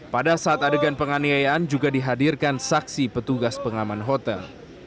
pada saat adegan penganiayaan juga dihadirkan saksi petugas pengaman hotel